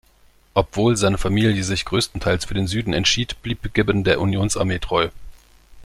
Obwohl seine Familie sich größtenteils für den Süden entschied, blieb Gibbon der Unionsarmee treu.